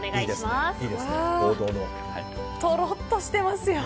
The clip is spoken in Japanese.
とろっとしていますよ。